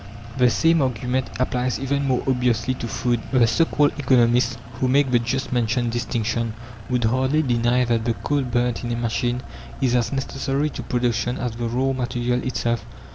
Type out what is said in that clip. The same argument applies even more obviously to food. The so called economists, who make the just mentioned distinction, would hardly deny that the coal burnt in a machine is as necessary to production as the raw material itself.